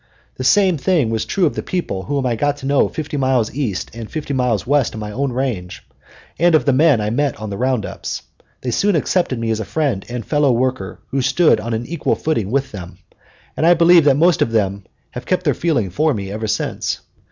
The same thing was true of the people whom I got to know fifty miles east and fifty miles west of my own range, and of the men I met on the round ups. They soon accepted me as a friend and fellow worker who stood on an equal footing with them, and I believe the most of them have kept their feeling for me ever since.